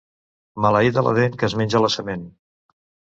Maleïda la dent que es menja la sement.